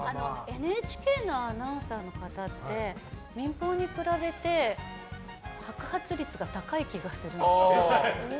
ＮＨＫのアナウンサーの方って民放に比べて白髪率が高い気がする。